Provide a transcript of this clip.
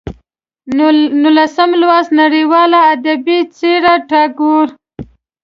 نولسم لوست: نړیواله ادبي څېره ټاګور